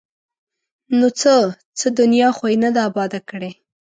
ـ نو څه؟ څه دنیا خو یې نه ده اباد کړې!